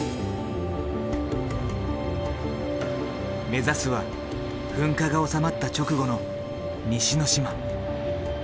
目指すは噴火が収まった直後の西之島。